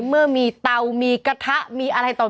เมื่อมีเตามีกระทะมีอะไรต่อ